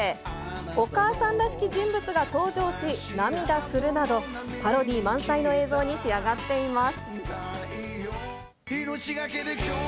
お母さんらしき人物が登場し、涙するなど、パロディー満載の映像に仕上がっています。